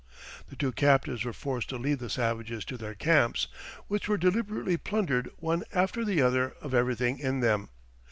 The two captives were forced to lead the savages to their camps, which were deliberately plundered, one after the other, of everything in them.